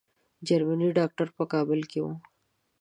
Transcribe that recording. جرمني ډاکټر په کابل کې وو.